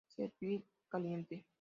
Servir caliente.